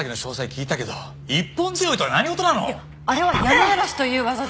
いやあれは山嵐という技で。